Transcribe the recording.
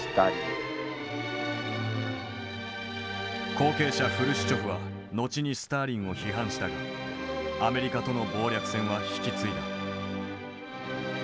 後継者フルシチョフは後にスターリンを批判したがアメリカとの謀略戦は引き継いだ。